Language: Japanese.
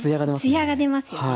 艶が出ますよね。